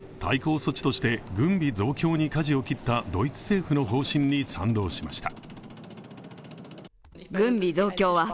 そして、対抗措置として軍備増強にかじを切ったドイツ政府の方針に賛同しました。